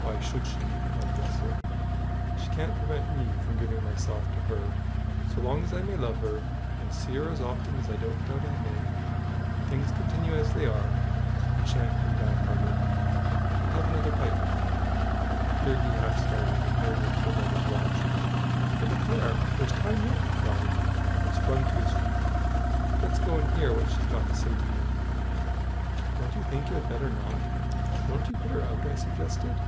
why should she? God bless her! she can't prevent me from giving myself to her. So long as I may love her, and see her as often as I don't doubt I may, and things continue as they are, I sha'n't be down hearted. I'll have another pipe, I think." Here he half started, and hurriedly pulled out his watch, "I declare, there's time yet!" he cried, and sprung to his feet. "Let's go and hear what she's got to say to night." "Don't you think you had better not? Won't you put her out?" I suggested.